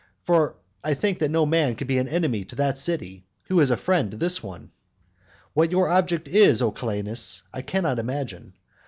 I think that no man can be an enemy to that city, who is a friend to this one. What your object is, O Calenus, I cannot imagine.